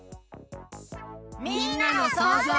みんなのそうぞう。